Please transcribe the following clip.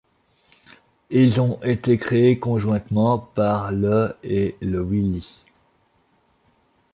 Ils ont été créé conjointement par le et le Wily.